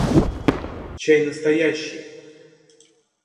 Чай настоящий!